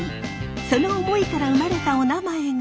その思いから生まれたおなまえが。